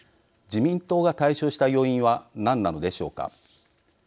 自民党が大勝した要因は何なのでしょうか。